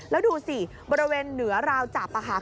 แล้วดูสิบริเวณเหนือราวจับค่ะ